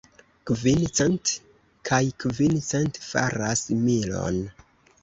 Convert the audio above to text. Kvin cent kaj kvin cent faras milon.